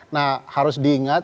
nah harus diingat